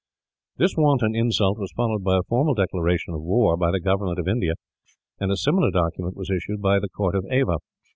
This wanton insult was followed by a formal declaration of war, by the government of India; and a similar document was issued by the court of Ava.